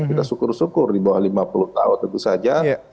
kita syukur syukur di bawah lima puluh tahun tentu saja